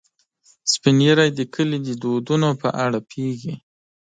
سپین ږیری د کلي د دودونو په اړه پوهیږي